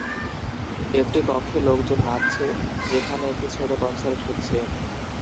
একটি কক্ষে লোকজন নাচছে যেখানে একটি ছোট কনসার্ট হচ্ছে।